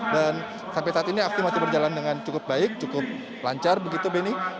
dan sampai saat ini aksi masih berjalan dengan cukup baik cukup lancar begitu benny